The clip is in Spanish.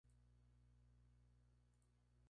Se emplea especialmente en alfalfa para forraje.